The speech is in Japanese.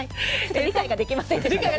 理解ができませんよね。